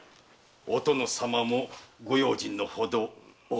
お殿様もご用心のほどを。